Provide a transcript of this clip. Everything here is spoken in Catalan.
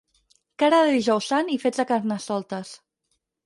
Cara de Dijous Sant i fets de Carnestoltes.